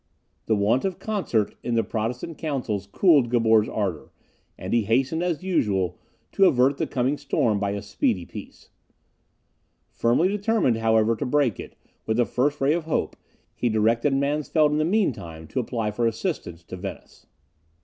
The want of concert in the Protestant counsels cooled Gabor's ardour; and he hastened, as usual, to avert the coming storm by a speedy peace. Firmly determined, however, to break it, with the first ray of hope, he directed Mansfeld in the mean time to apply for assistance to Venice.